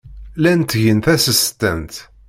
Llan ttgen tasestant.